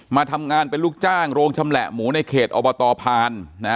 มาทำงานเป็นลูกจ้างโรงชำแหละหมูในเขตอบตพาน